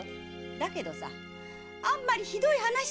だけどさあんまりひどい話じゃないか！